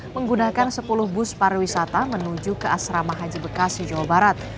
menggunakan sepuluh bus pariwisata menuju ke asrama haji bekasi jawa barat